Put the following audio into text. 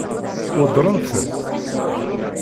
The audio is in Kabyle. Weddṛen-ten?